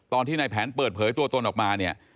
ตอนที่ในแผนเปิดเผยตัวตนออกมาเนี่ย